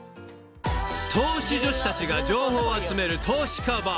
［投資女子たちが情報を集める投資家バー］